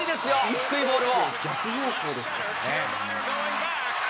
低いボールを。